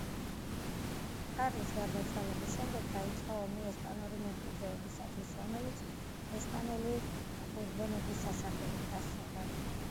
კარლის გარდაცვალების შემდეგ დაიწყო ომი ესპანური მემკვიდრეობისათვის, რომელიც ესპანელი ბურბონების სასარგებლოდ დასრულდა.